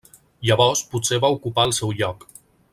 Llavors potser va ocupar el seu lloc.